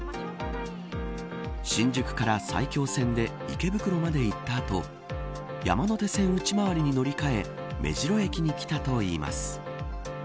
新宿から埼京線で池袋まで行った後山手線内回りに乗り換え目白駅に来たといいます。